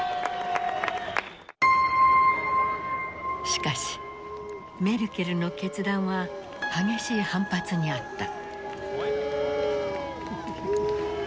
しかしメルケルの決断は激しい反発にあった。